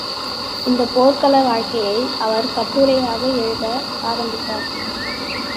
இந்தப் போர்க்கள வாழ்க்கையை அவர் கட்டுரைகளாக எழுத ஆரம்பத்தார்.